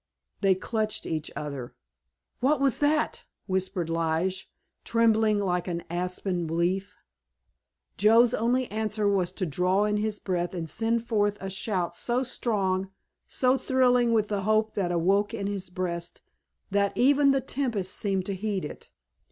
They clutched each other. "What was that?" whispered Lige, trembling like an aspen leaf. Joe's only answer was to draw in his breath and send forth a shout so strong, so thrilling with the hope that awoke in his breast that even the tempest seemed to heed it.